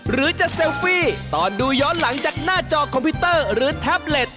หรือจะเซลฟี่ตอนดูย้อนหลังจากหน้าจอคอมพิวเตอร์หรือแท็บเล็ต